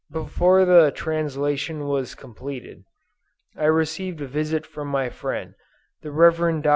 Before the translation was completed, I received a visit from my friend, the Rev. Dr.